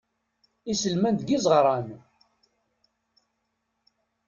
Iselman deg izeɣṛan.